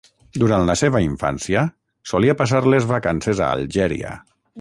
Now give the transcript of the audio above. Durant la seva infància, solia passar les vacances a Algèria.